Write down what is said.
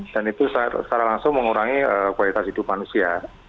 dan itu secara langsung mengurangi kualitas hidup manusia